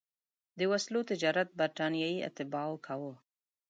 د وسلو تجارت برټانیې اتباعو کاوه.